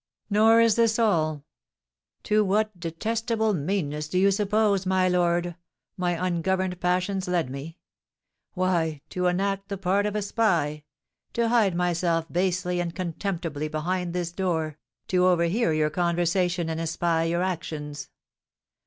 Nor is this all. To what detestable meanness do you suppose, my lord, my ungoverned passions led me? Why, to enact the part of a spy, to hide myself basely and contemptibly behind this door, to overhear your conversation and espy your actions.